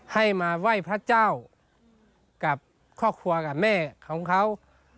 ให้มาไหว้พระเจ้ากับครอบครัวกับแม่ของเขา